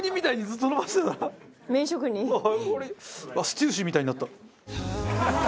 ステューシーみたいになった。